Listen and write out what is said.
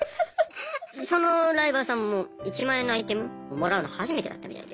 そのライバーさんも１万円のアイテムをもらうの初めてだったみたいで。